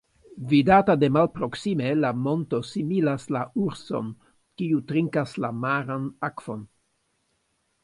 Vidata de malproksime la monto similas la urson, kiu trinkas la maran akvon.